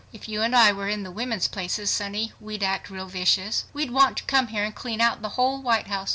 If you and I were in these women's places, sonny, we'd act real vicious. We'd want to come here and clean out the ,whole White House."